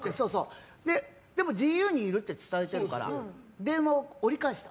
でもＧＵにいるって伝えてるから電話を折り返した。